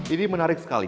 ini menarik sekali